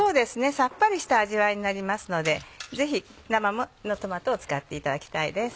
さっぱりした味わいになりますのでぜひ生のトマトを使っていただきたいです。